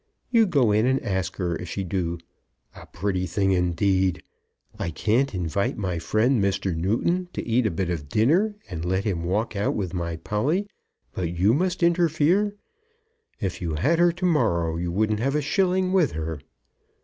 You go in and ask her if she do. A pretty thing indeed! I can't invite my friend, Mr. Newton, to eat a bit of dinner, and let him walk out with my Polly, but you must interfere. If you had her to morrow you wouldn't have a shilling with her."